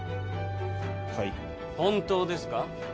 はい本当ですか？